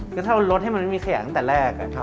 คือถ้าเอารถให้มันไม่มีขยะตั้งแต่แรก